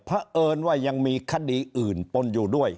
เพราะเอิญว่ายังมีคดีอื่นปนอยู่ด้วย